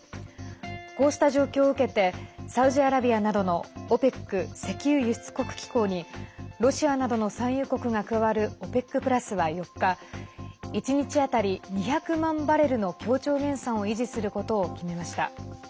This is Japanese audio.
こうした状況を受けてサウジアラビアなどのＯＰＥＣ＝石油輸出国機構にロシアなどの産油国が加わるＯＰＥＣプラスは４日１日当たり２００万バレルの協調減産を維持することを決めました。